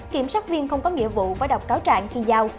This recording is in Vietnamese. kiểm sát viên không có nghĩa vụ phải đọc cáo trạng khi giao